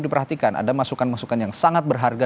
diperhatikan ada masukan masukan yang sangat berharga